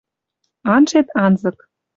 Анжет анзык